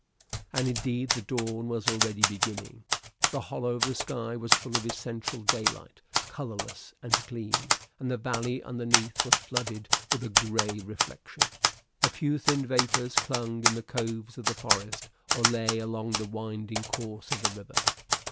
And indeed the dawn was already beginning. The hollow of the sky was full of essential daylight, colorless and clean; and the valley underneath was flooded with a gray reflection. A few thin vapors clung in the coves of the forest or lay along the winding course of the river.